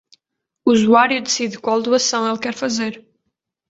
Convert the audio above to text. O usuário decide qual doação ele quer fazer.